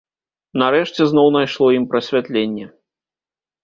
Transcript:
Нарэшце зноў найшло ім прасвятленне.